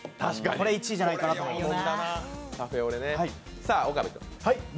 これ、１位じゃないかと思います。